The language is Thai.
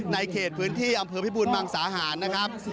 เขตพื้นที่อำเภอพิบูรมังสาหารนะครับ